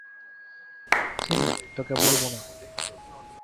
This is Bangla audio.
চিনি, তোকে বলব না।